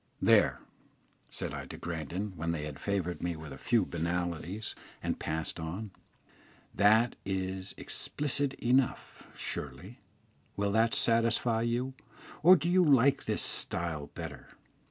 "There," said I to Grandon, when they had favoured me with a few banalités, and passed on, "that is explicit enough, surely; will that satisfy you, or do you like this style better?"